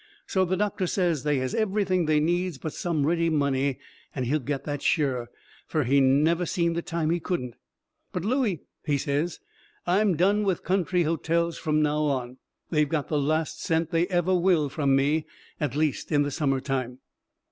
So the doctor says they has everything they needs but some ready money, and he'll get that sure, fur he never seen the time he couldn't. "But, Looey," he says, "I'm done with country hotels from now on. They've got the last cent they ever will from me at least in the summer time."